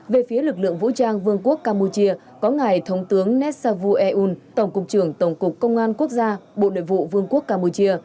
về phía lực lượng vũ trang vương quốc campuchia có ngài thống tướng nét xa vu e un tổng cục trưởng tổng cục công an quốc gia bộ đội vụ vương quốc campuchia